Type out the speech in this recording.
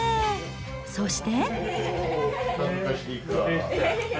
そして。